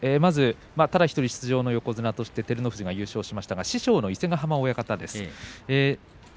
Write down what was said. ただ１人出場の横綱として照ノ富士が優勝しましたが師匠の伊勢ヶ濱親方です。